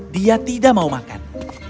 dia tidak mau makan